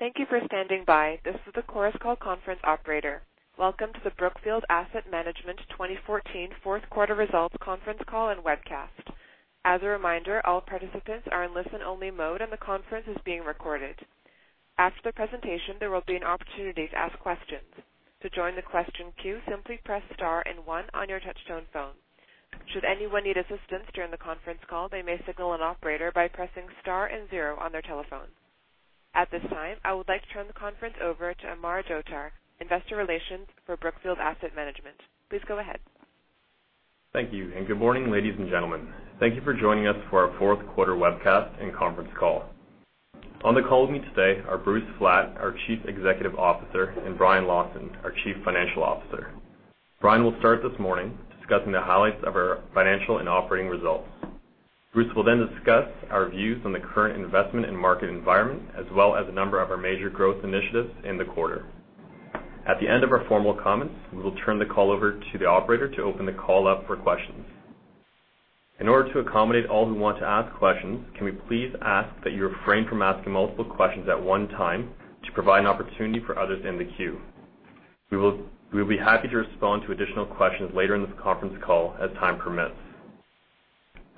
Thank you for standing by. This is the Chorus Call conference operator. Welcome to the Brookfield Asset Management 2014 fourth quarter results conference call and webcast. As a reminder, all participants are in listen-only mode, and the conference is being recorded. After the presentation, there will be an opportunity to ask questions. To join the question queue, simply press star and one on your touch-tone phone. Should anyone need assistance during the conference call, they may signal an operator by pressing star and zero on their telephone. At this time, I would like to turn the conference over to Amar Dhotar, Investor Relations for Brookfield Asset Management. Please go ahead. Thank you. Good morning, ladies and gentlemen. Thank you for joining us for our fourth quarter webcast and conference call. On the call with me today are Bruce Flatt, our Chief Executive Officer, and Brian Lawson, our Chief Financial Officer. Brian will start this morning discussing the highlights of our financial and operating results. Bruce will discuss our views on the current investment and market environment, as well as a number of our major growth initiatives in the quarter. At the end of our formal comments, we will turn the call over to the operator to open the call up for questions. In order to accommodate all who want to ask questions, can we please ask that you refrain from asking multiple questions at one time to provide an opportunity for others in the queue. We will be happy to respond to additional questions later in this conference call as time permits.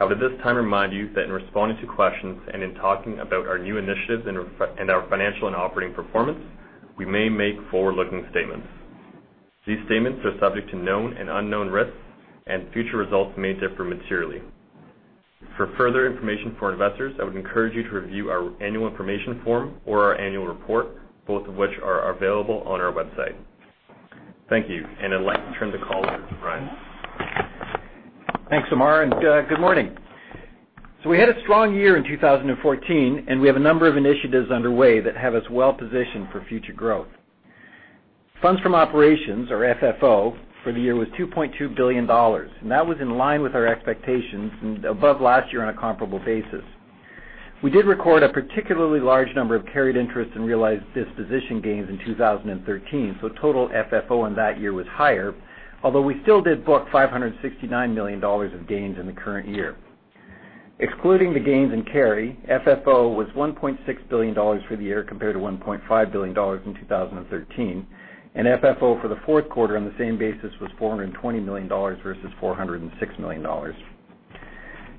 I would at this time remind you that in responding to questions in talking about our new initiatives and our financial and operating performance, we may make forward-looking statements. These statements are subject to known and unknown risks, future results may differ materially. For further information for investors, I would encourage you to review our annual information form or our annual report, both of which are available on our website. Thank you. I'd like to turn the call over to Brian. Thanks, Amar. Good morning. We had a strong year in 2014, we have a number of initiatives underway that have us well positioned for future growth. Funds from operations, or FFO, for the year was $2.2 billion, that was in line with our expectations and above last year on a comparable basis. We did record a particularly large number of carried interest and realized disposition gains in 2013, total FFO in that year was higher, although we still did book $569 million of gains in the current year. Excluding the gains in carry, FFO was $1.6 billion for the year compared to $1.5 billion in 2013, FFO for the fourth quarter on the same basis was $420 million versus $406 million.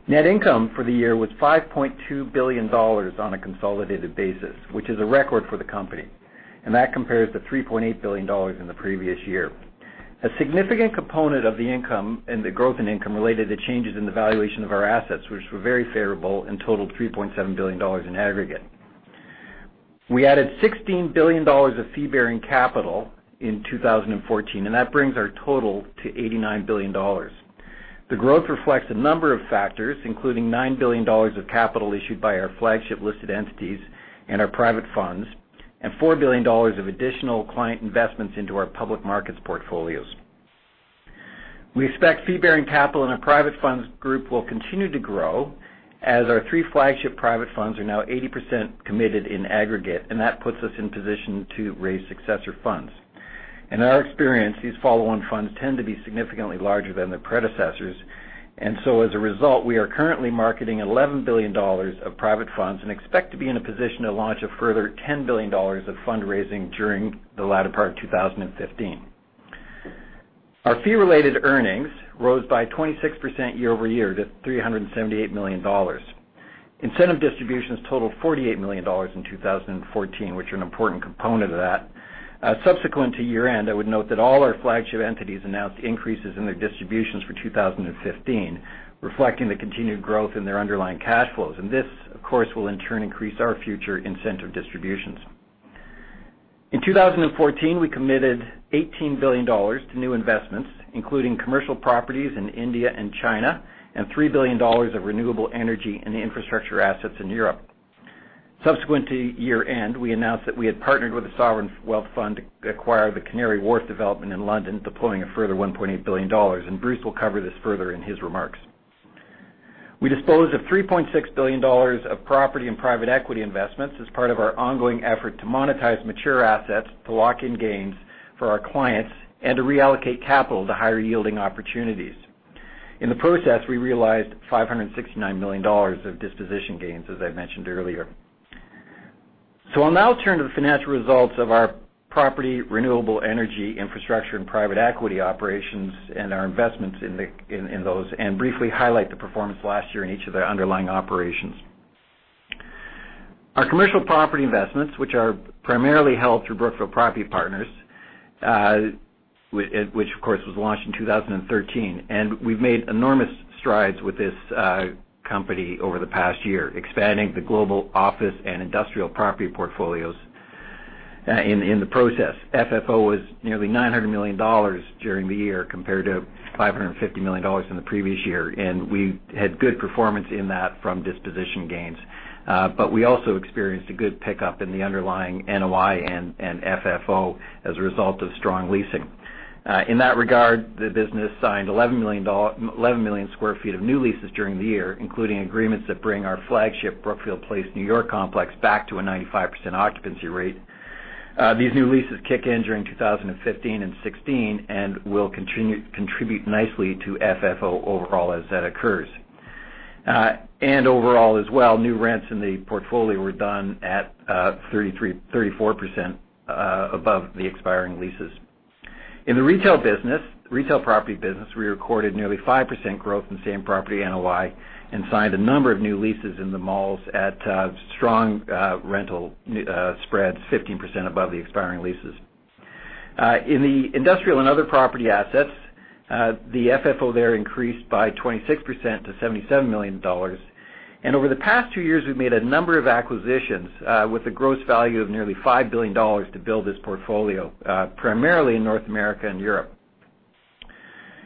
Net income for the year was $5.2 billion on a consolidated basis, which is a record for the company. That compares to $3.8 billion in the previous year. A significant component of the income and the growth in income related to changes in the valuation of our assets, which were very favorable and totaled $3.7 billion in aggregate. We added $16 billion of fee-bearing capital in 2014. That brings our total to $89 billion. The growth reflects a number of factors, including $9 billion of capital issued by our flagship listed entities and our private funds. $4 billion of additional client investments into our public markets portfolios. We expect fee-bearing capital in our private funds group will continue to grow as our three flagship private funds are now 80% committed in aggregate. That puts us in position to raise successor funds. In our experience, these follow-on funds tend to be significantly larger than their predecessors. As a result, we are currently marketing $11 billion of private funds and expect to be in a position to launch a further $10 billion of fundraising during the latter part of 2015. Our fee-related earnings rose by 26% year-over-year to $378 million. Incentive distributions totaled $48 million in 2014, which are an important component of that. Subsequent to year-end, I would note that all our flagship entities announced increases in their distributions for 2015, reflecting the continued growth in their underlying cash flows. This, of course, will in turn increase our future incentive distributions. In 2014, we committed $18 billion to new investments, including commercial properties in India and China and $3 billion of renewable energy and infrastructure assets in Europe. Subsequent to year-end, we announced that we had partnered with the Sovereign Wealth Fund to acquire the Canary Wharf development in London, deploying a further $1.8 billion. Bruce will cover this further in his remarks. We disposed of $3.6 billion of property and private equity investments as part of our ongoing effort to monetize mature assets, to lock in gains for our clients, and to reallocate capital to higher-yielding opportunities. In the process, we realized $569 million of disposition gains, as I mentioned earlier. I'll now turn to the financial results of our property, renewable energy, infrastructure, and private equity operations and our investments in those, and briefly highlight the performance last year in each of their underlying operations. Our commercial property investments, which are primarily held through Brookfield Property Partners, which of course was launched in 2013. We've made enormous strides with this company over the past year, expanding the global office and industrial property portfolios in the process. FFO was nearly $900 million during the year compared to $550 million in the previous year. We had good performance in that from disposition gains. We also experienced a good pickup in the underlying NOI and FFO as a result of strong leasing. In that regard, the business signed 11 million sq ft of new leases during the year, including agreements that bring our flagship Brookfield Place New York complex back to a 95% occupancy rate. These new leases kick in during 2015 and 2016 and will contribute nicely to FFO overall as that occurs. Overall as well, new rents in the portfolio were done at 34% above the expiring leases. In the retail business, retail property business, we recorded nearly 5% growth in same property NOI and signed a number of new leases in the malls at strong rental spreads, 15% above the expiring leases. In the industrial and other property assets, the FFO there increased by 26% to $77 million. Over the past 2 years, we've made a number of acquisitions with a gross value of nearly $5 billion to build this portfolio, primarily in North America and Europe.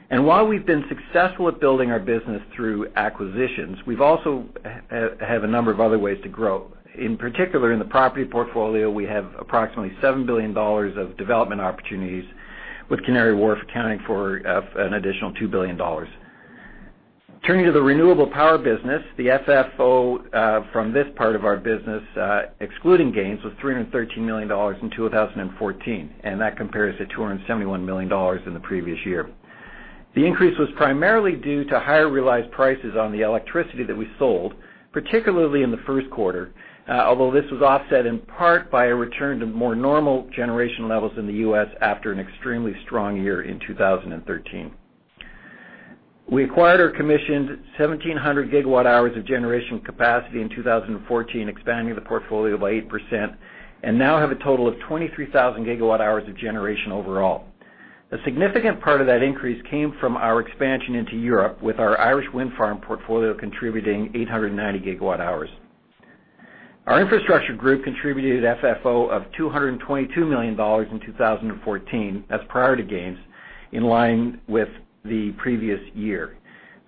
While we've been successful at building our business through acquisitions, we've also have a number of other ways to grow. In particular, in the property portfolio, we have approximately $7 billion of development opportunities, with Canary Wharf accounting for an additional $2 billion. Turning to the renewable power business, the FFO from this part of our business, excluding gains, was $313 million in 2014, and that compares to $271 million in the previous year. The increase was primarily due to higher realized prices on the electricity that we sold, particularly in the first quarter. Although this was offset in part by a return to more normal generation levels in the U.S. after an extremely strong year in 2013. We acquired or commissioned 1,700 gigawatt hours of generation capacity in 2014, expanding the portfolio by 8%, and now have a total of 23,000 gigawatt hours of generation overall. A significant part of that increase came from our expansion into Europe with our Irish wind farm portfolio contributing 890 gigawatt hours. Our infrastructure group contributed FFO of $222 million in 2014, that's prior to gains, in line with the previous year.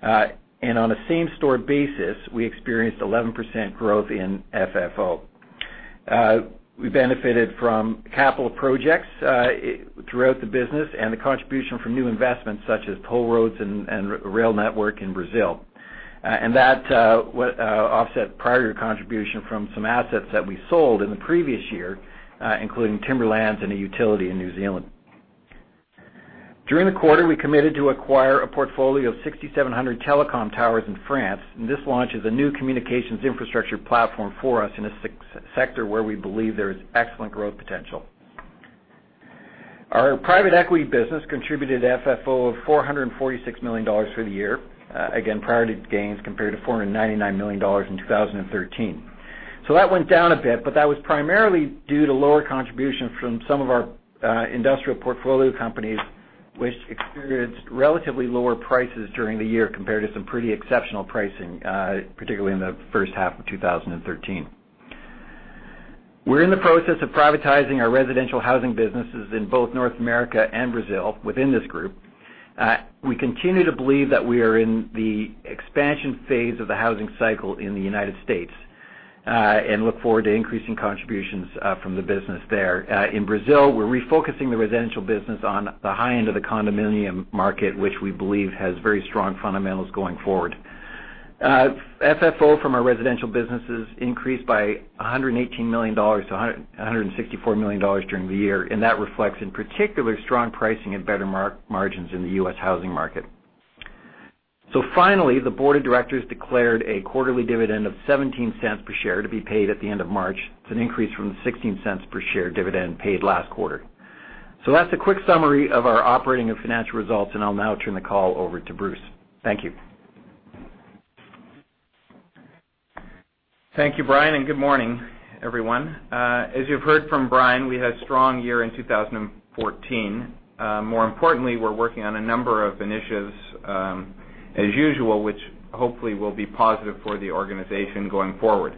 On a same-store basis, we experienced 11% growth in FFO. We benefited from capital projects throughout the business and the contribution from new investments such as toll roads and rail network in Brazil. That offset prior year contribution from some assets that we sold in the previous year, including timberlands and a utility in New Zealand. During the quarter, we committed to acquire a portfolio of 6,700 telecom towers in France, and this launches a new communications infrastructure platform for us in a sector where we believe there is excellent growth potential. Our private equity business contributed FFO of $446 million for the year, again, prior to gains, compared to $499 million in 2013. That went down a bit, that was primarily due to lower contribution from some of our industrial portfolio companies, which experienced relatively lower prices during the year compared to some pretty exceptional pricing, particularly in the first half of 2013. We're in the process of privatizing our residential housing businesses in both North America and Brazil within this group. We continue to believe that we are in the expansion phase of the housing cycle in the United States, and look forward to increasing contributions from the business there. In Brazil, we're refocusing the residential business on the high end of the condominium market, which we believe has very strong fundamentals going forward. FFO from our residential businesses increased by $118 million to $164 million during the year, that reflects, in particular, strong pricing and better margins in the U.S. housing market. Finally, the board of directors declared a quarterly dividend of $0.17 per share to be paid at the end of March. It's an increase from the $0.16 per share dividend paid last quarter. That's a quick summary of our operating and financial results, and I'll now turn the call over to Bruce. Thank you. Thank you, Brian, good morning, everyone. As you've heard from Brian, we had a strong year in 2014. More importantly, we're working on a number of initiatives, as usual, which hopefully will be positive for the organization going forward.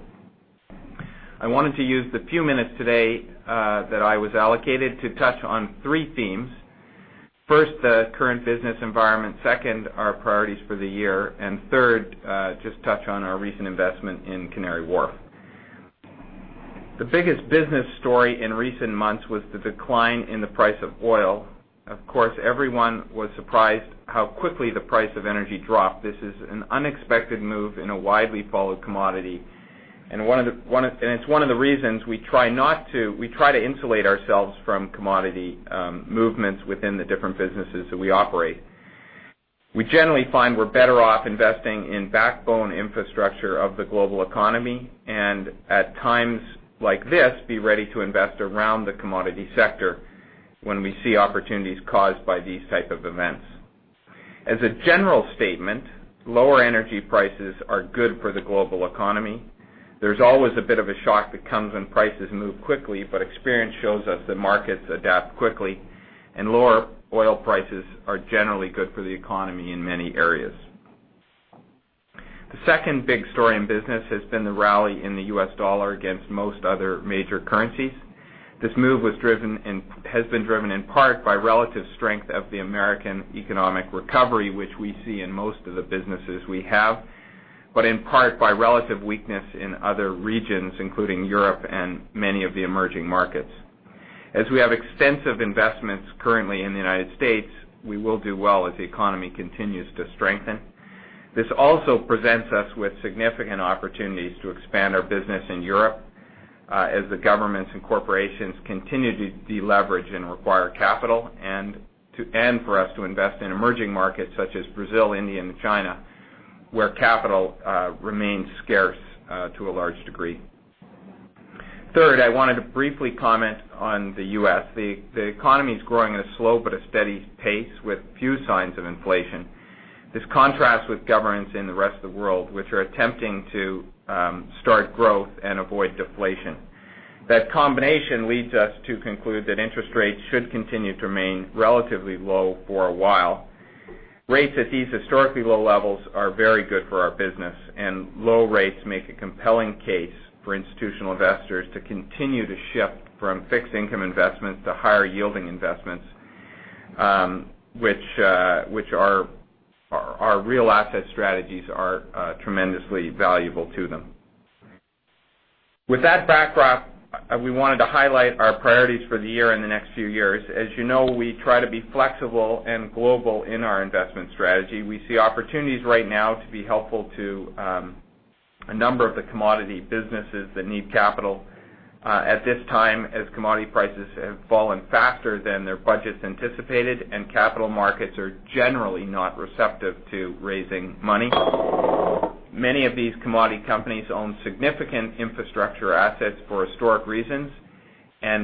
I wanted to use the few minutes today that I was allocated to touch on three themes. First, the current business environment. Second, our priorities for the year. Third, just touch on our recent investment in Canary Wharf. The biggest business story in recent months was the decline in the price of oil. Of course, everyone was surprised how quickly the price of energy dropped. This is an unexpected move in a widely followed commodity, and it's one of the reasons we try to insulate ourselves from commodity movements within the different businesses that we operate. We generally find we're better off investing in backbone infrastructure of the global economy, and at times like this, be ready to invest around the commodity sector when we see opportunities caused by these type of events. As a general statement, lower energy prices are good for the global economy. There's always a bit of a shock that comes when prices move quickly, but experience shows us that markets adapt quickly, and lower oil prices are generally good for the economy in many areas. The second big story in business has been the rally in the U.S. dollar against most other major currencies. This move has been driven in part by relative strength of the American economic recovery, which we see in most of the businesses we have, but in part by relative weakness in other regions, including Europe and many of the emerging markets. As we have extensive investments currently in the United States, we will do well as the economy continues to strengthen. This also presents us with significant opportunities to expand our business in Europe. As the governments and corporations continue to deleverage and require capital, and for us to invest in emerging markets such as Brazil, India, and China, where capital remains scarce to a large degree. Third, I wanted to briefly comment on the U.S. The economy's growing at a slow but a steady pace with few signs of inflation. This contrasts with governments in the rest of the world, which are attempting to start growth and avoid deflation. That combination leads us to conclude that interest rates should continue to remain relatively low for a while. Rates at these historically low levels are very good for our business. Low rates make a compelling case for institutional investors to continue to shift from fixed income investments to higher-yielding investments, which our real asset strategies are tremendously valuable to them. With that backdrop, we wanted to highlight our priorities for the year and the next few years. As you know, we try to be flexible and global in our investment strategy. We see opportunities right now to be helpful to a number of the commodity businesses that need capital at this time, as commodity prices have fallen faster than their budgets anticipated. Capital markets are generally not receptive to raising money. Many of these commodity companies own significant infrastructure assets for historic reasons.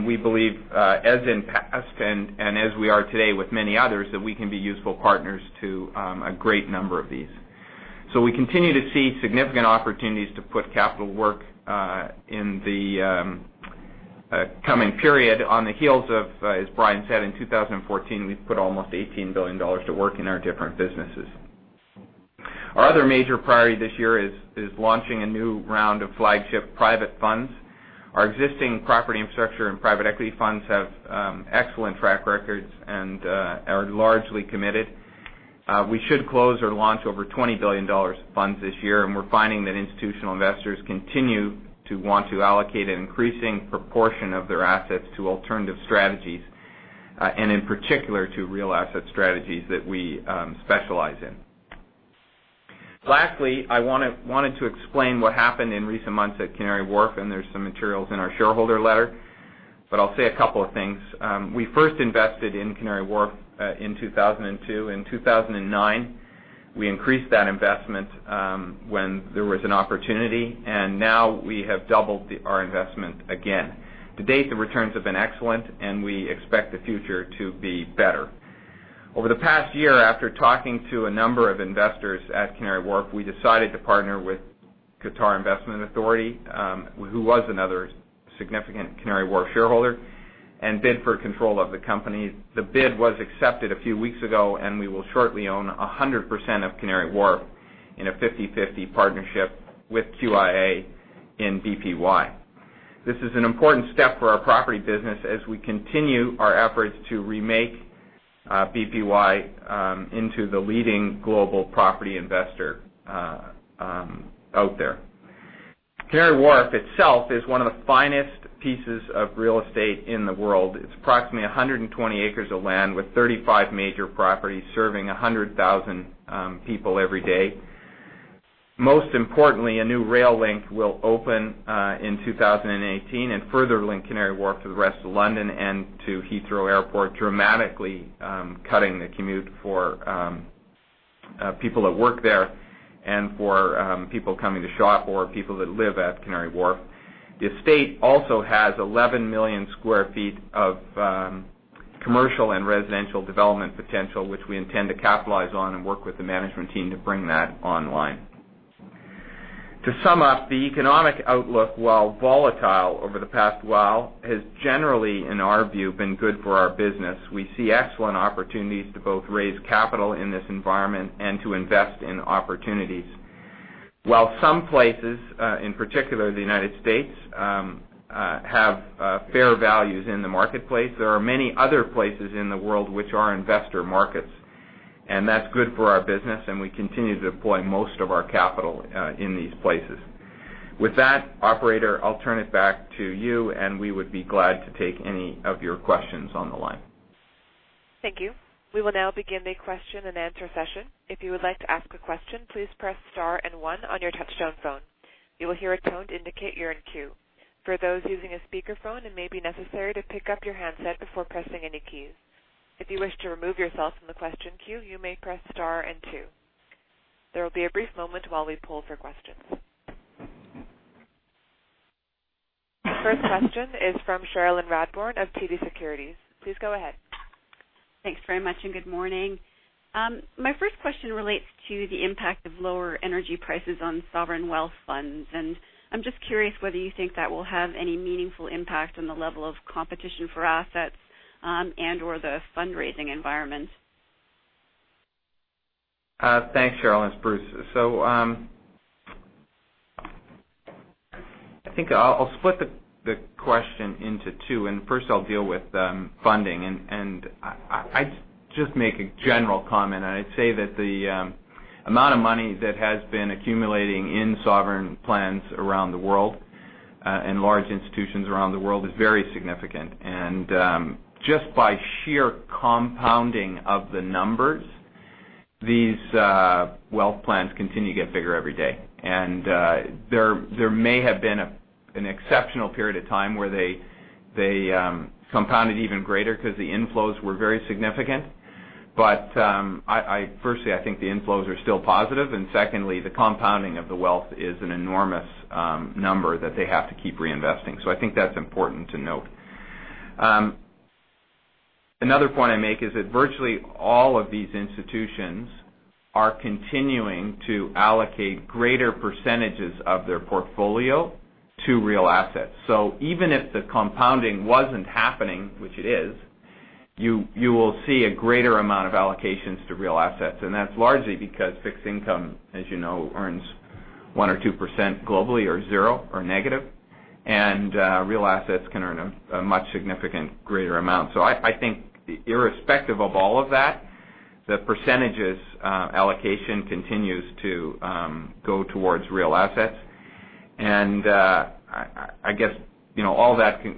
We believe, as in past and as we are today with many others, that we can be useful partners to a great number of these. We continue to see significant opportunities to put capital work in the coming period on the heels of, as Brian said, in 2014, we've put almost $18 billion to work in our different businesses. Our other major priority this year is launching a new round of flagship private funds. Our existing property infrastructure and private equity funds have excellent track records and are largely committed. We should close or launch over $20 billion of funds this year. We're finding that institutional investors continue to want to allocate an increasing proportion of their assets to alternative strategies and, in particular, to real asset strategies that we specialize in. Lastly, I wanted to explain what happened in recent months at Canary Wharf. There's some materials in our shareholder letter, but I'll say a couple of things. We first invested in Canary Wharf in 2002. In 2009, we increased that investment when there was an opportunity. Now we have doubled our investment again. To date, the returns have been excellent. We expect the future to be better. Over the past year, after talking to a number of investors at Canary Wharf, we decided to partner with Qatar Investment Authority, who was another significant Canary Wharf shareholder. Bid for control of the company. The bid was accepted a few weeks ago. We will shortly own 100% of Canary Wharf in a 50/50 partnership with QIA in BPY. This is an important step for our property business as we continue our efforts to remake BPY into the leading global property investor out there. Canary Wharf itself is one of the finest pieces of real estate in the world. It's approximately 120 acres of land with 35 major properties, serving 100,000 people every day. Most importantly, a new rail link will open in 2018. Further link Canary Wharf to the rest of London and to Heathrow Airport, dramatically cutting the commute for people that work there and for people coming to shop or people that live at Canary Wharf. The estate also has 11 million sq ft of commercial and residential development potential, which we intend to capitalize on. Work with the management team to bring that online. To sum up, the economic outlook, while volatile over the past while, has generally, in our view, been good for our business. We see excellent opportunities to both raise capital in this environment and to invest in opportunities. While some places, in particular the U.S., have fair values in the marketplace, there are many other places in the world which are investor markets, and that's good for our business, and we continue to deploy most of our capital in these places. With that, operator, I'll turn it back to you, and we would be glad to take any of your questions on the line. Thank you. We will now begin the question-and-answer session. If you would like to ask a question, please press star and one on your touchtone phone. You will hear a tone to indicate you're in queue. For those using a speakerphone, it may be necessary to pick up your handset before pressing any keys. If you wish to remove yourself from the question queue, you may press star and two. There will be a brief moment while we poll for questions. First question is from Cherilyn Radbourne of TD Securities. Please go ahead. Thanks very much. Good morning. My first question relates to the impact of lower energy prices on sovereign wealth funds. I'm just curious whether you think that will have any meaningful impact on the level of competition for assets and/or the fundraising environment. Thanks, Cherilyn. It's Bruce. I think I'll split the question into two. First I'll deal with funding. I'd just make a general comment. I'd say that the amount of money that has been accumulating in sovereign wealth funds around the world and large institutions around the world is very significant. Just by sheer compounding of the numbers- These wealth funds continue to get bigger every day. There may have been an exceptional period of time where they compounded even greater because the inflows were very significant. Firstly, I think the inflows are still positive. Secondly, the compounding of the wealth is an enormous number that they have to keep reinvesting. I think that's important to note. Another point I make is that virtually all of these institutions are continuing to allocate greater percentages of their portfolio to real assets. Even if the compounding wasn't happening, which it is, you will see a greater amount of allocations to real assets. That's largely because fixed income, as you know, earns 1% or 2% globally, or zero, or negative. Real assets can earn a much significant greater amount. I think irrespective of all of that, the percentages allocation continues to go towards real assets.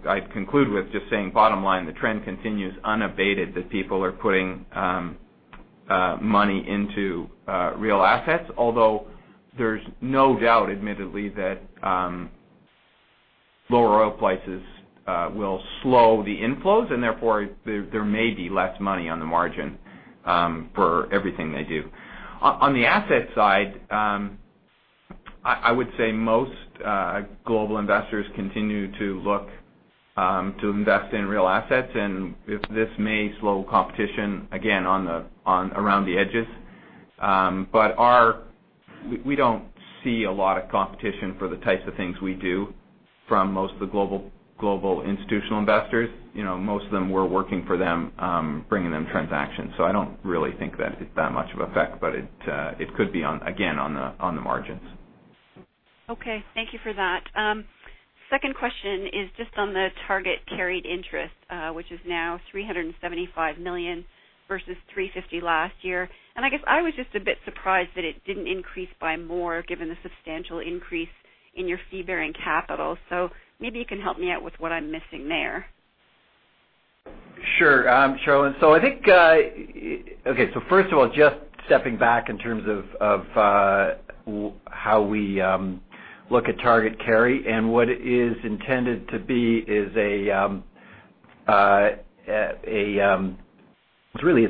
I conclude with just saying, bottom line, the trend continues unabated that people are putting money into real assets. Although there's no doubt, admittedly, that lower oil prices will slow the inflows, and therefore, there may be less money on the margin for everything they do. On the asset side, I would say most global investors continue to look to invest in real assets, and this may slow competition again around the edges. We don't see a lot of competition for the types of things we do from most of the global institutional investors. Most of them were working for them, bringing them transactions. I don't really think that it's that much of effect, but it could be, again, on the margins. Okay. Thank you for that. Second question is just on the target carried interest, which is now $375 million versus $350 million last year. I guess I was just a bit surprised that it didn't increase by more given the substantial increase in your fee-bearing capital. Maybe you can help me out with what I'm missing there. Sure, Cheryl. First of all, just stepping back in terms of how we look at target carry. What it is intended to be is,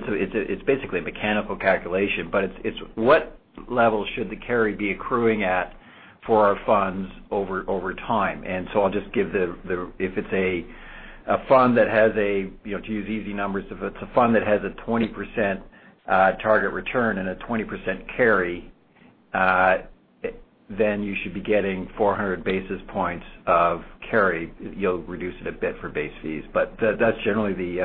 it's basically a mechanical calculation, but it's what level should the carry be accruing at for our funds over time. I'll just give the, if it's a fund that has a, to use easy numbers, if it's a fund that has a 20% target return and a 20% carry, then you should be getting 400 basis points of carry. You'll reduce it a bit for base fees. That's generally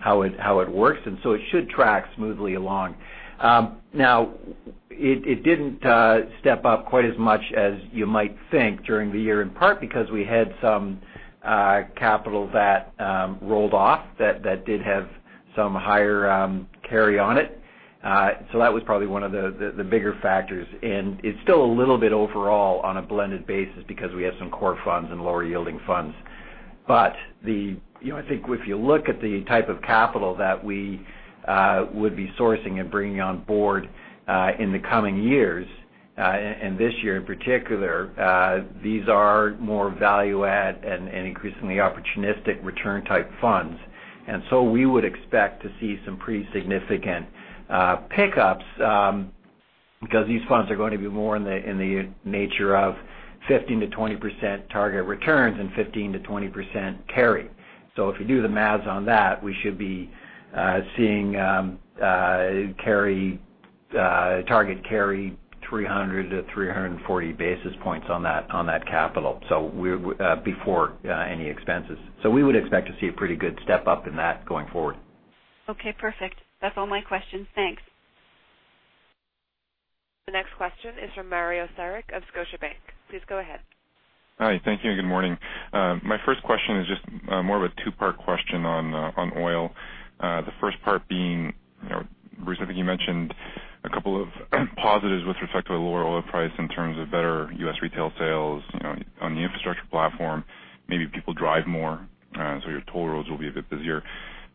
how it works, it should track smoothly along. Now, it didn't step up quite as much as you might think during the year, in part because we had some capital that rolled off that did have some higher carry on it. That was probably one of the bigger factors. It's still a little bit overall on a blended basis because we have some core funds and lower-yielding funds. I think if you look at the type of capital that we would be sourcing and bringing on board in the coming years, and this year in particular, these are more value-add and increasingly opportunistic return-type funds. We would expect to see some pretty significant pickups, because these funds are going to be more in the nature of 15%-20% target returns and 15%-20% carry. If you do the maths on that, we should be seeing target carry 300-340 basis points on that capital before any expenses. We would expect to see a pretty good step-up in that going forward. Okay, perfect. That's all my questions. Thanks. The next question is from Mario Saric of Scotiabank. Please go ahead. Hi. Thank you and good morning. My first question is just more of a two-part question on oil. The first part being, Bruce, I think you mentioned a couple of positives with respect to the lower oil price in terms of better U.S. retail sales on the infrastructure platform. Maybe people drive more, so your toll roads will be a bit busier.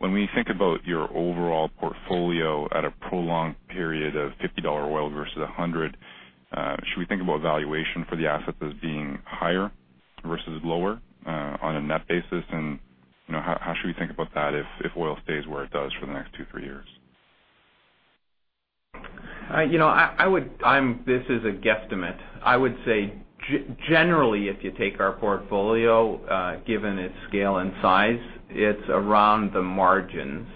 When we think about your overall portfolio at a prolonged period of $50 oil versus $100, should we think about valuation for the assets as being higher versus lower on a net basis? How should we think about that if oil stays where it does for the next two, three years? This is a guesstimate. I would say, generally, if you take our portfolio, given its scale and size, it's around the margins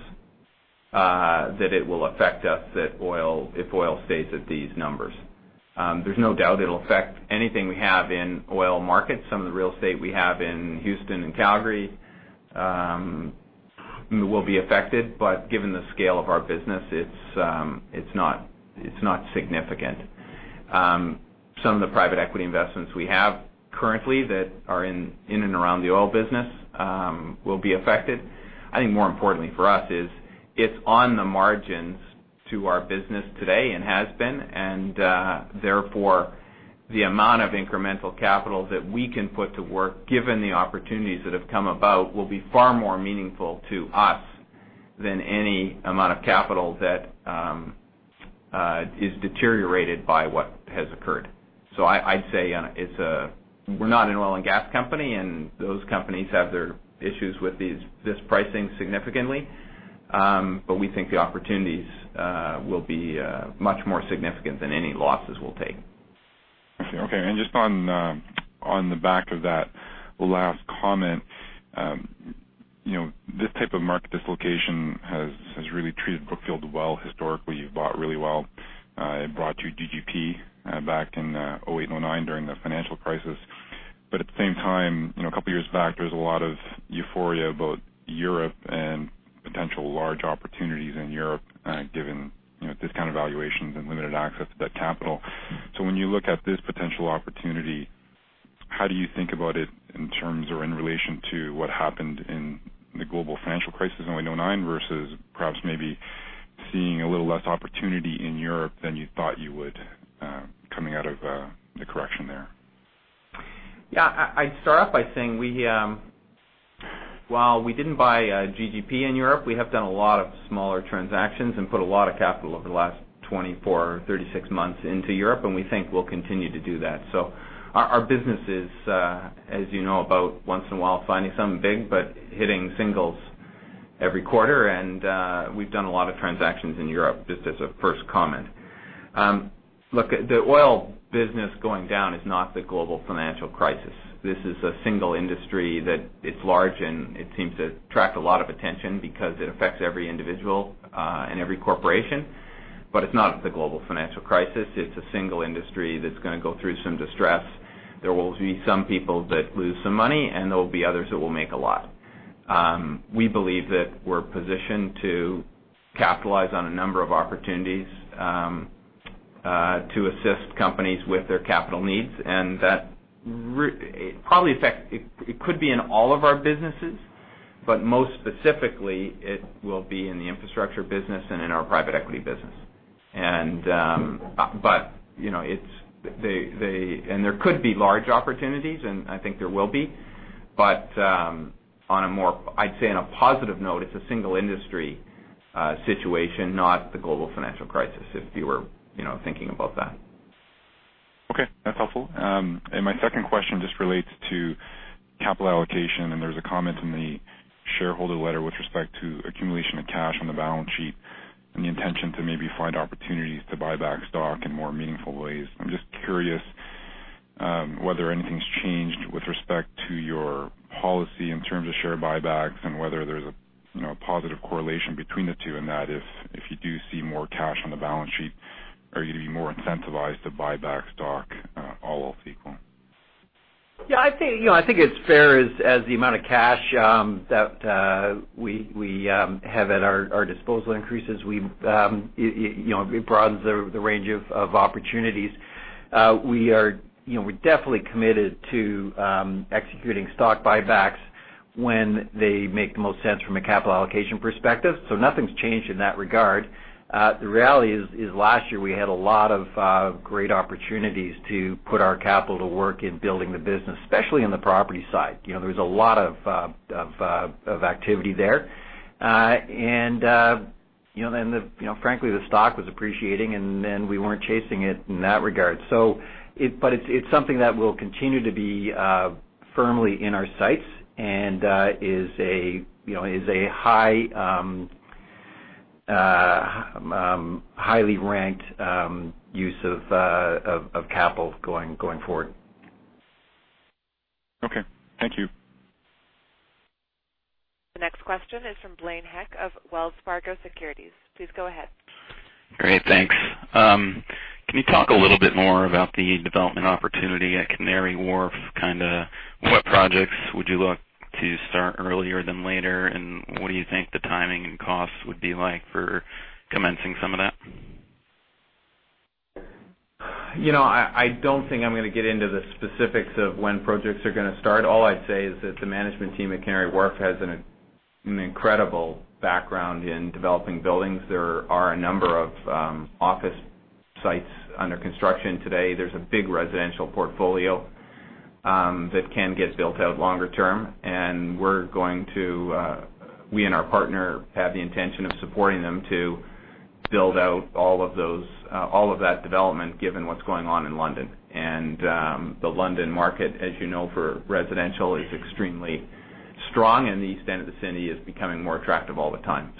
that it will affect us if oil stays at these numbers. There's no doubt it'll affect anything we have in oil markets. Some of the real estate we have in Houston and Calgary will be affected. Given the scale of our business, it's not significant. Some of the private equity investments we have currently that are in and around the oil business will be affected. I think more importantly for us is it's on the margins to our business today and has been, and therefore, the amount of incremental capital that we can put to work, given the opportunities that have come about, will be far more meaningful to us than any amount of capital that is deteriorated by what has occurred. I'd say, we're not an oil and gas company, and those companies have their issues with this pricing significantly. We think the opportunities will be much more significant than any losses we'll take. Okay. Just on the back of that last comment, this type of market dislocation has really treated Brookfield well historically. You've bought really well. It brought you GGP back in 2008 and 2009 during the financial crisis. At the same time, a couple of years back, there was a lot of euphoria about Europe and potential large opportunities in Europe given discount valuations and limited access to that capital. When you look at this potential opportunity, how do you think about it in terms or in relation to what happened in the global financial crisis in 2009 versus perhaps maybe seeing a little less opportunity in Europe than you thought you would, coming out of the correction there? Yeah. I'd start off by saying, while we didn't buy GGP in Europe, we have done a lot of smaller transactions and put a lot of capital over the last 24 or 36 months into Europe, and we think we'll continue to do that. Our business is, as you know, about once in a while finding something big, but hitting singles every quarter. We've done a lot of transactions in Europe, just as a first comment. Look, the oil business going down is not the global financial crisis. This is a single industry that is large, and it seems to attract a lot of attention because it affects every individual and every corporation. It's not the global financial crisis. It's a single industry that's going to go through some distress. There will be some people that lose some money, and there will be others that will make a lot. We believe that we're positioned to capitalize on a number of opportunities to assist companies with their capital needs, and it could be in all of our businesses, but most specifically, it will be in the infrastructure business and in our private equity business. There could be large opportunities, and I think there will be. I'd say on a positive note, it's a single industry situation, not the global financial crisis, if you were thinking about that. Okay. That's helpful. My second question just relates to capital allocation, and there's a comment in the shareholder letter with respect to accumulation of cash on the balance sheet and the intention to maybe find opportunities to buy back stock in more meaningful ways. I'm just curious whether anything's changed with respect to your policy in terms of share buybacks and whether there's a positive correlation between the two, and that if you do see more cash on the balance sheet, are you going to be more incentivized to buy back stock all else equal? Yeah. I think it's fair, as the amount of cash that we have at our disposal increases, it broadens the range of opportunities. We're definitely committed to executing stock buybacks when they make the most sense from a capital allocation perspective. Nothing's changed in that regard. The reality is, last year, we had a lot of great opportunities to put our capital to work in building the business, especially on the property side. There was a lot of activity there. Frankly, the stock was appreciating, and then we weren't chasing it in that regard. It's something that will continue to be firmly in our sights and is a highly ranked use of capital going forward. Okay. Thank you. The next question is from Blaine Heck of Wells Fargo Securities. Please go ahead. Great. Thanks. Can you talk a little bit more about the development opportunity at Canary Wharf? What projects would you look to start earlier than later, and what do you think the timing and costs would be like for commencing some of that? I don't think I'm going to get into the specifics of when projects are going to start. All I'd say is that the management team at Canary Wharf has an incredible background in developing buildings. There are a number of office sites under construction today. There's a big residential portfolio that can get built out longer term, and we and our partner have the intention of supporting them to build out all of that development given what's going on in London. The London market, as you know, for residential, is extremely strong, and the east end of the city is becoming more attractive all the time.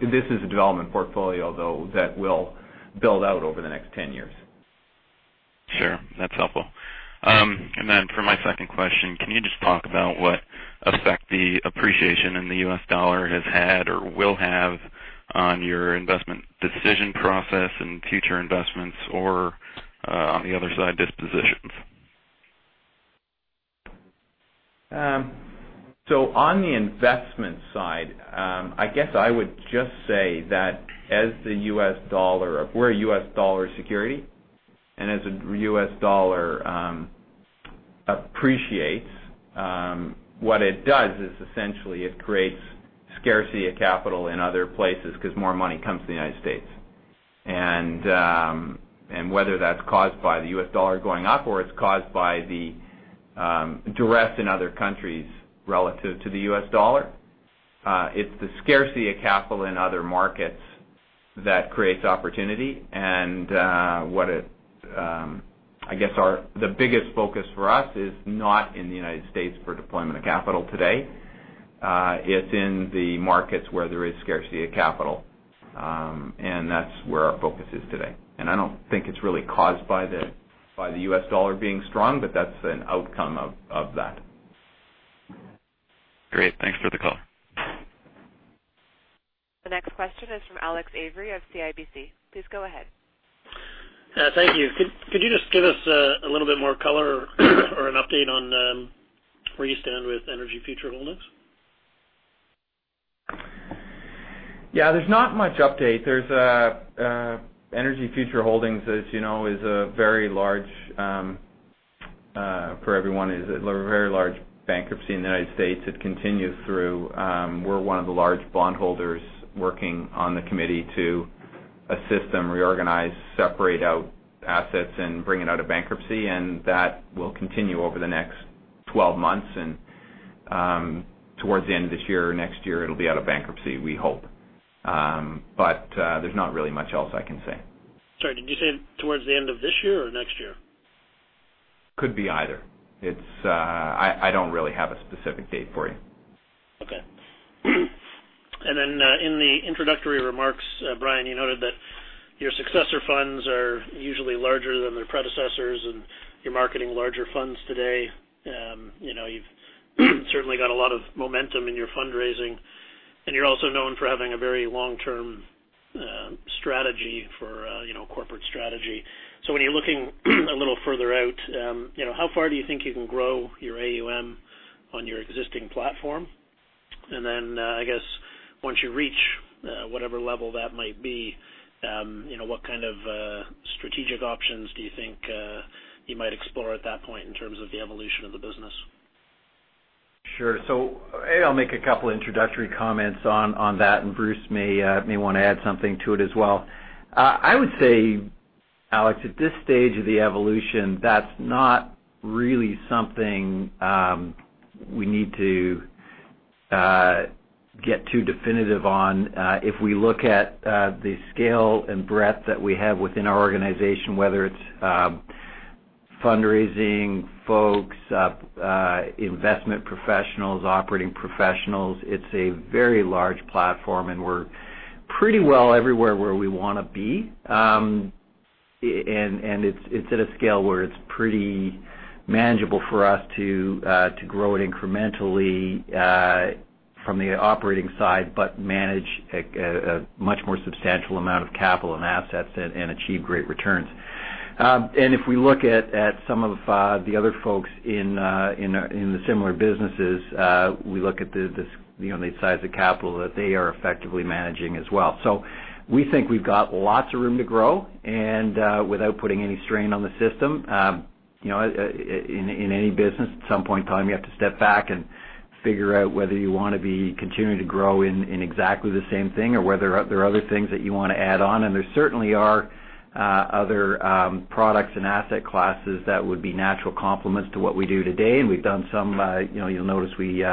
This is a development portfolio, though, that will build out over the next 10 years. Sure. That's helpful. Then for my second question, can you just talk about what effect the appreciation in the U.S. dollar has had or will have on your investment decision process and future investments or, on the other side, dispositions? On the investment side, I guess I would just say that we're a U.S. dollar security, as a U.S. dollar appreciates. What it does is essentially it creates scarcity of capital in other places because more money comes to the U.S. Whether that's caused by the U.S. dollar going up or it's caused by the duress in other countries relative to the U.S. dollar, it's the scarcity of capital in other markets that creates opportunity. I guess the biggest focus for us is not in the U.S. for deployment of capital today. It's in the markets where there is scarcity of capital. That's where our focus is today. I don't think it's really caused by the U.S. dollar being strong, but that's an outcome of that. Great. Thanks for the call. The next question is from Alex Avery of CIBC. Please go ahead. Thank you. Could you just give us a little bit more color or an update on where you stand with Energy Future Holdings? There's not much update. Energy Future Holdings, as you know, is a very large, for everyone, is a very large bankruptcy in the U.S. It continues through. We're one of the large bondholders working on the committee to assist them reorganize, separate out assets, and bring it out of bankruptcy. That will continue over the next 12 months. Towards the end of this year or next year, it'll be out of bankruptcy, we hope. There's not really much else I can say. Sorry, did you say towards the end of this year or next year? Could be either. I don't really have a specific date for you. Okay. In the introductory remarks, Brian, you noted that your successor funds are usually larger than their predecessors and you're marketing larger funds today. You've certainly got a lot of momentum in your fundraising, and you're also known for having a very long-term strategy for corporate strategy. When you're looking a little further out, how far do you think you can grow your AUM on your existing platform? I guess once you reach whatever level that might be, what kind of strategic options do you think you might explore at that point in terms of the evolution of the business? Sure. I'll make a couple introductory comments on that, Bruce may want to add something to it as well. I would say, Alex, at this stage of the evolution, that's not really something we need to get too definitive on. If we look at the scale and breadth that we have within our organization, whether it's fundraising folks, investment professionals, operating professionals, it's a very large platform, and we're pretty well everywhere where we want to be. It's at a scale where it's pretty manageable for us to grow it incrementally from the operating side, but manage a much more substantial amount of capital and assets and achieve great returns. If we look at some of the other folks in the similar businesses, we look at the size of capital that they are effectively managing as well. We think we've got lots of room to grow and without putting any strain on the system. In any business, at some point in time, you have to step back and figure out whether you want to be continuing to grow in exactly the same thing or whether there are other things that you want to add on. There certainly are other products and asset classes that would be natural complements to what we do today. We've done some. You'll notice we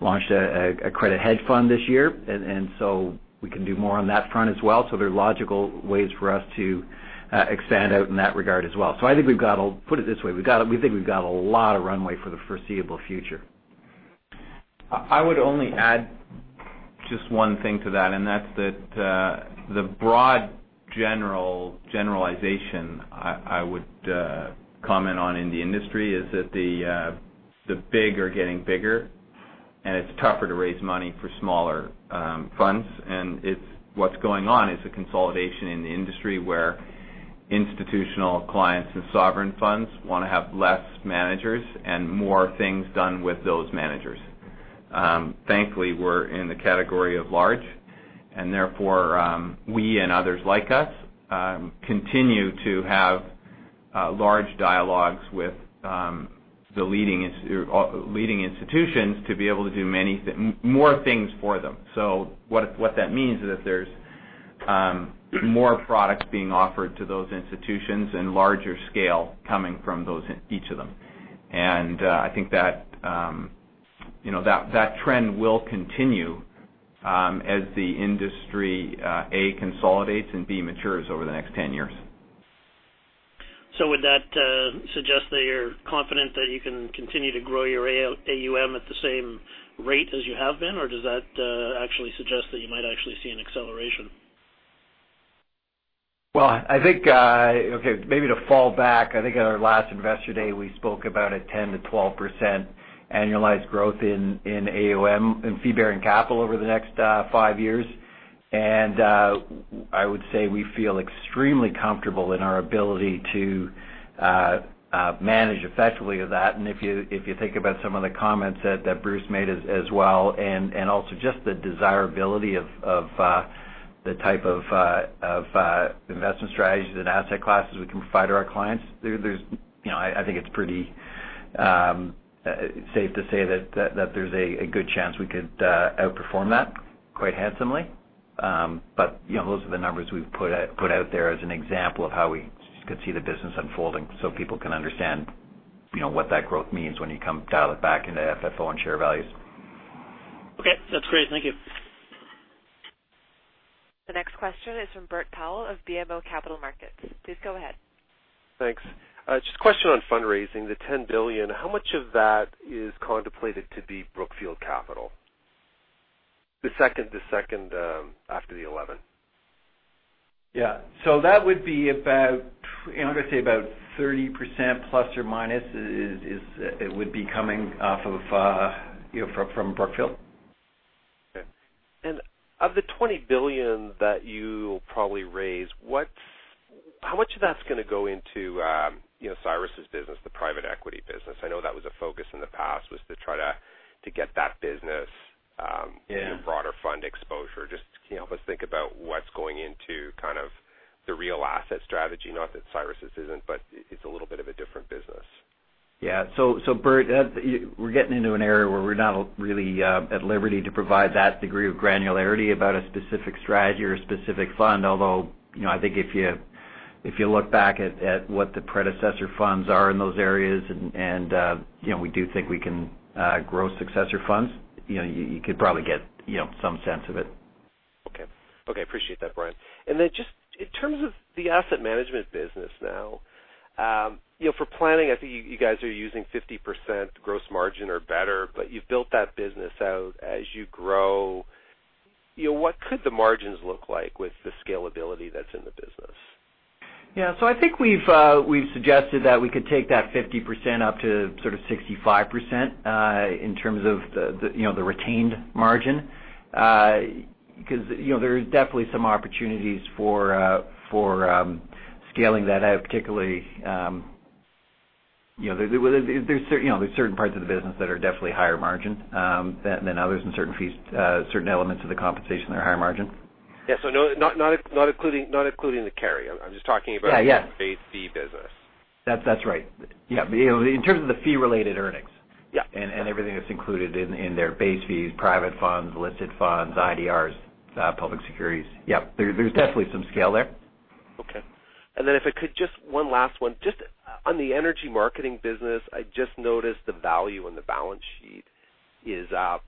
launched a credit hedge fund this year. We can do more on that front as well. There are logical ways for us to expand out in that regard as well. Put it this way, we think we've got a lot of runway for the foreseeable future. I would only add just one thing to that, and that's that the broad generalization I would comment on in the industry is that the big are getting bigger, and it's tougher to raise money for smaller funds. What's going on is a consolidation in the industry where institutional clients and sovereign funds want to have less managers and more things done with those managers. Thankfully, we're in the category of large, and therefore, we and others like us continue to have large dialogues with the leading institutions to be able to do more things for them. What that means is that there's more products being offered to those institutions and larger scale coming from each of them. I think that trend will continue as the industry, A, consolidates and B, matures over the next 10 years. Would that suggest that you're confident that you can continue to grow your AUM at the same rate as you have been? Or does that actually suggest that you might actually see an acceleration? Well, I think, okay, maybe to fall back, I think at our last Investor Day, we spoke about a 10%-12% annualized growth in AUM, in fee-bearing capital over the next five years. I would say we feel extremely comfortable in our ability to manage effectively of that. If you think about some of the comments that Bruce made as well, and also just the desirability of The type of investment strategies and asset classes we can provide to our clients. I think it's pretty safe to say that there's a good chance we could outperform that quite handsomely. Those are the numbers we've put out there as an example of how we could see the business unfolding so people can understand what that growth means when you come dial it back into FFO and share values. Okay. That's great. Thank you. The next question is from Bert Powell of BMO Capital Markets. Please go ahead. Thanks. Just a question on fundraising. The $10 billion, how much of that is contemplated to be Brookfield Capital? The second after the $11 billion. Yeah. That would be about, I'm going to say about 30% plus or minus, is it would be coming from Brookfield. Okay. Of the $20 billion that you will probably raise, how much of that's going to go into Cyrus's business, the private equity business? I know that was a focus in the past, was to try to get that business. Yeah broader fund exposure. Just help us think about what's going into kind of the real asset strategy. Not that Cyrus's isn't, but it's a little bit of a different business. Yeah. Bert, we're getting into an area where we're not really at liberty to provide that degree of granularity about a specific strategy or a specific fund. Although, I think if you look back at what the predecessor funds are in those areas, and we do think we can grow successor funds, you could probably get some sense of it. Okay. Appreciate that, Brian. Just in terms of the asset management business now. For planning, I think you guys are using 50% gross margin or better, but you've built that business out. As you grow, what could the margins look like with the scalability that's in the business? Yeah. I think we've suggested that we could take that 50% up to sort of 65% in terms of the retained margin. There's definitely some opportunities for scaling that out particularly. There's certain parts of the business that are definitely higher margin than others, and certain elements of the compensation that are higher margin. Yeah. Not including the carry. I'm just talking about- Yeah base fee business. That's right. In terms of the fee-related earnings. Yeah. Everything that's included in there. Base fees, private funds, listed funds, IDRs, public securities. Yep, there's definitely some scale there. Okay. If I could, just one last one. Just on the energy marketing business, I just noticed the value on the balance sheet is up,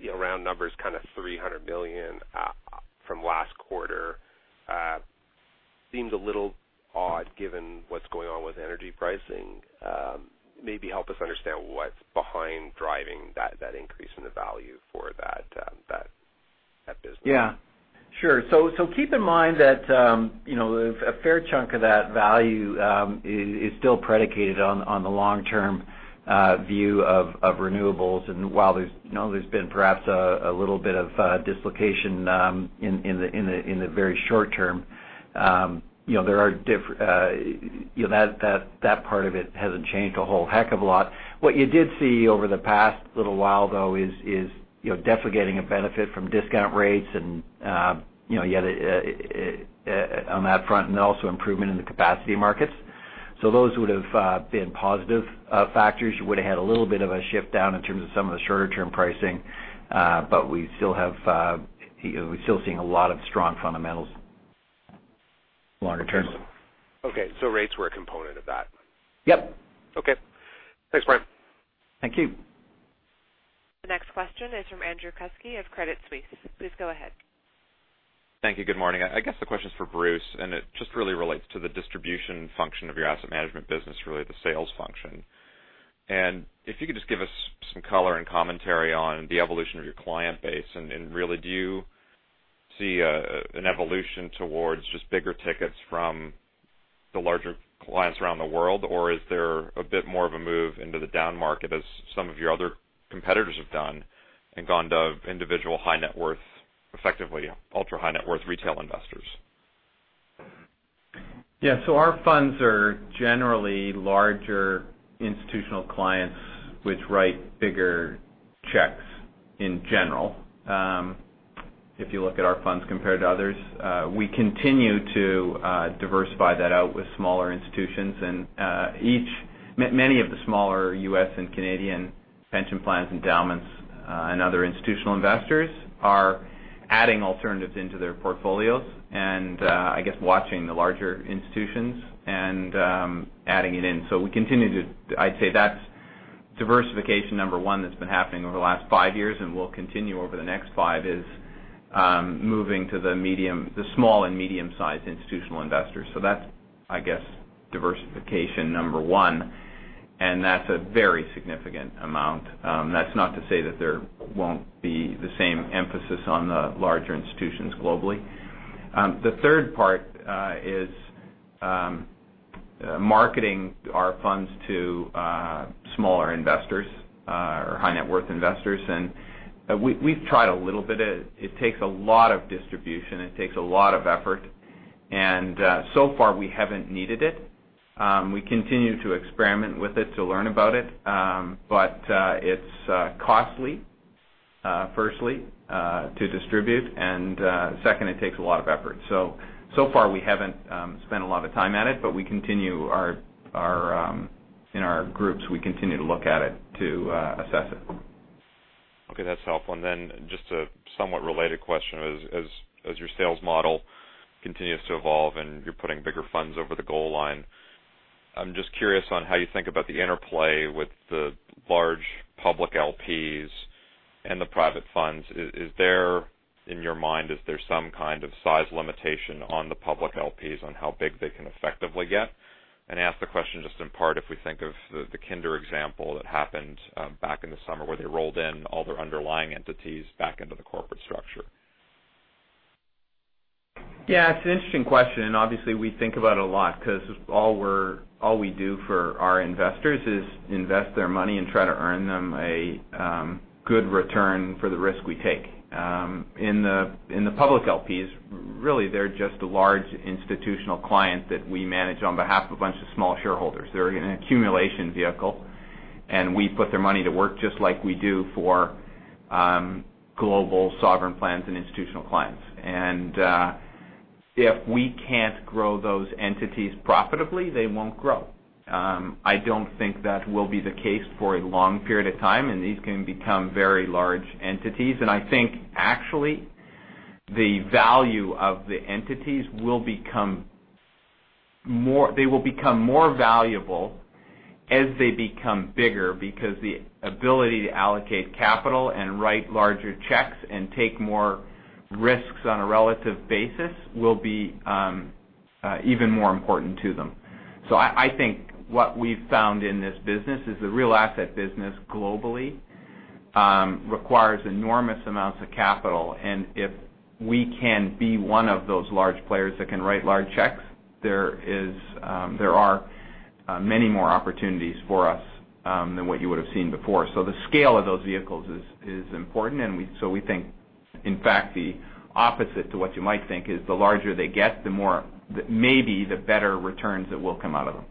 round numbers, kind of $300 million from last quarter. Seems a little odd given what's going on with energy pricing. Maybe help us understand what's behind driving that increase in the value for that business. Yeah. Sure. Keep in mind that a fair chunk of that value is still predicated on the long-term view of renewables. While there's been perhaps a little bit of dislocation in the very short term, that part of it hasn't changed a whole heck of a lot. What you did see over the past little while, though, is definitely getting a benefit from discount rates on that front, and also improvement in the capacity markets. Those would've been positive factors. You would've had a little bit of a shift down in terms of some of the shorter-term pricing. We're still seeing a lot of strong fundamentals longer term. Okay. rates were a component of that. Yep. Okay. Thanks, Brian. Thank you. The next question is from Andrew Kuske of Credit Suisse. Please go ahead. Thank you. Good morning. I guess the question's for Bruce, it just really relates to the distribution function of your asset management business, really the sales function. If you could just give us some color and commentary on the evolution of your client base, and really do you see an evolution towards just bigger tickets from the larger clients around the world, or is there a bit more of a move into the down market as some of your other competitors have done and gone to individual high net worth, effectively ultra high net worth retail investors? Yeah. Our funds are generally larger institutional clients which write bigger checks in general. If you look at our funds compared to others. We continue to diversify that out with smaller institutions, and many of the smaller U.S. and Canadian pension plans, endowments, and other institutional investors are adding alternatives into their portfolios and, I guess, watching the larger institutions and adding it in. I'd say that's diversification number one that's been happening over the last 5 years and will continue over the next 5, is moving to the small and medium-sized institutional investors. That's, I guess, diversification number one, and that's a very significant amount. That's not to say that there won't be the same emphasis on the larger institutions globally. The third part is marketing our funds to smaller investors or high net worth investors. We've tried a little bit. It takes a lot of distribution, it takes a lot of effort. So far, we haven't needed it. We continue to experiment with it to learn about it. It's costly, firstly, to distribute, and second, it takes a lot of effort. So far, we haven't spent a lot of time at it, but in our groups, we continue to look at it to assess it. Okay, that's helpful. Just a somewhat related question. As your sales model continues to evolve and you're putting bigger funds over the goal line, I'm just curious on how you think about the interplay with the large public LPs and the private funds. In your mind, is there some kind of size limitation on the public LPs on how big they can effectively get? I ask the question just in part if we think of the Kinder example that happened back in the summer where they rolled in all their underlying entities back into the corporate structure. It's an interesting question. Obviously, we think about it a lot because all we do for our investors is invest their money and try to earn them a good return for the risk we take. In the public LPs, really, they're just a large institutional client that we manage on behalf of a bunch of small shareholders. They're an accumulation vehicle. We put their money to work just like we do for global sovereign plans and institutional clients. If we can't grow those entities profitably, they won't grow. I don't think that will be the case for a long period of time. These can become very large entities. I think actually, the value of the entities, they will become more valuable as they become bigger because the ability to allocate capital and write larger checks and take more risks on a relative basis will be even more important to them. I think what we've found in this business is the real asset business globally requires enormous amounts of capital. If we can be one of those large players that can write large checks, there are many more opportunities for us than what you would've seen before. The scale of those vehicles is important. We think, in fact, the opposite to what you might think is the larger they get, the more, maybe, the better returns that will come out of them.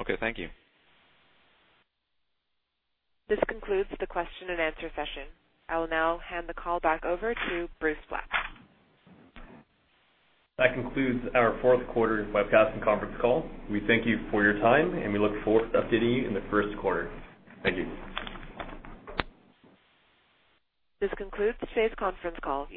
Okay, thank you. This concludes the question and answer session. I will now hand the call back over to Bruce Flatt. That concludes our fourth quarter webcast and conference call. We thank you for your time, and we look forward to updating you in the first quarter. Thank you. This concludes today's conference call.